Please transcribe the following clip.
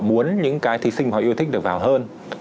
muốn những cái thí sinh họ yêu thích được vào hơn